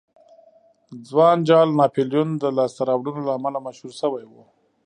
ځوان جال ناپلیون د لاسته راوړنو له امله مشهور شوی و.